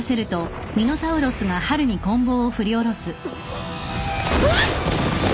あっうわっ！